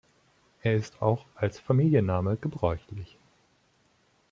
Er ist auch als Familienname gebräuchlich.